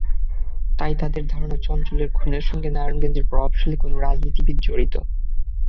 তাই তাঁদের ধারণা, চঞ্চলের খুনের সঙ্গে নারায়ণগঞ্জের প্রভাবশালী কোনো রাজনীতিবিদ জড়িত।